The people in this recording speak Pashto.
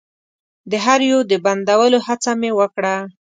د هر يو د بندولو هڅه مې وکړه.